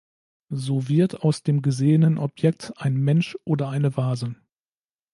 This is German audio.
So wird aus dem gesehenen Objekt ein „Mensch“ oder eine „Vase“.